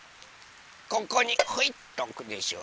ここにほいっとおくでしょ。